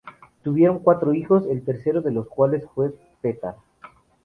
Tuvieron cuatro hijos, el tercero de los cuales fue Petar.